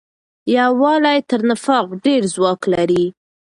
یووالی تر نفاق ډېر ځواک لري.